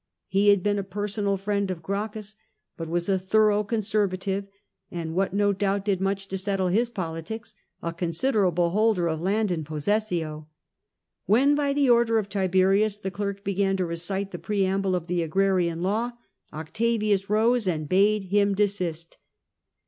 He had been a personal friend of Gracchus, but was a thorough con servative, and (what no doubt did much to settle his politics) a considerable holder of land in 2>ossessio. When, by the order of Tiberius, the clerk began to recite the preamble of the Agrarian Law, Octavius rose and bade him desist.